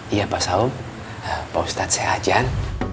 iya pak saum pak ustadz saya ajan